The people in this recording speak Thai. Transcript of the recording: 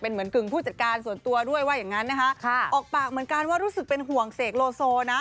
เหมือนกึ่งผู้จัดการส่วนตัวด้วยว่าอย่างงั้นนะคะออกปากเหมือนกันว่ารู้สึกเป็นห่วงเสกโลโซนะ